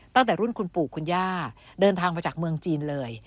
ตั้งแต่รุ่นคุณปู่คุณย่าเดินทางมาจากเมืองจีนเลย